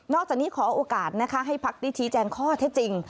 นอกจากนี้ขอโอกาสให้ภักดิ์ลิธีแจ้งข้อเท่าจริง